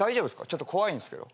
ちょっと怖いんすけど。